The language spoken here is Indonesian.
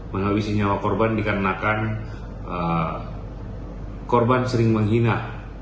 menghabisi nyawa korban dikarenakan korban sering menghina